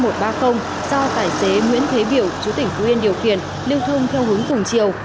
do tài xế nguyễn thế biểu chú tỉnh phú yên điều khiển lưu thông theo hướng tùng triều